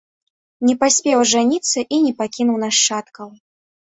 Не паспеў ажаніцца і не пакінуў нашчадкаў.